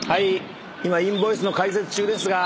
今インボイスの解説中ですが。